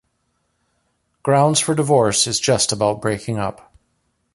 "Grounds for Divorce" is just about breaking up.